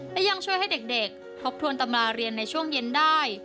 และยังช่วยให้เด็กทบทวนตำราเรียนในช่วงเย็นได้